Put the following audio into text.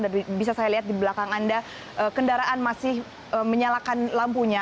dan bisa saya lihat di belakang anda kendaraan masih menyalakan lampunya